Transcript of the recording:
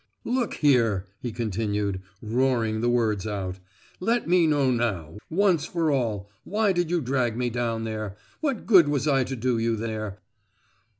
"Look here," he continued, roaring the words out, "let me know now, once for all, why did you drag me down there? what good was I to do you there?"